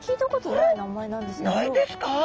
ないんですか？